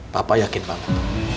papa yakin banget